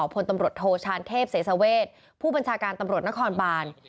พลตำรวจโทชานเทพเสสเวชผู้บัญชาการตำรวจนครบาน